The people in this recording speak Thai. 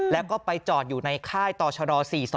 แล้วก็ไปจอดอยู่ในค่ายต่อชด๔๒